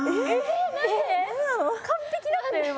完璧だったよ今！